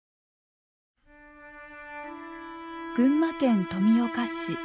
群馬県富岡市。